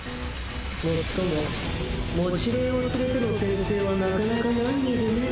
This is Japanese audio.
もっとも持霊を連れての転生はなかなか難儀でね。